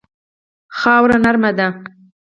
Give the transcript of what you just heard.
خاوره نرمه ده.